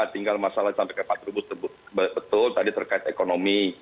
tinggal masalah sampai ke pak trubus betul tadi terkait ekonomi